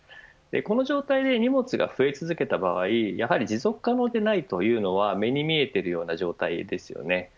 この状態で荷物が増え続けた場合持続可能でないというのは目に見えているような状態です。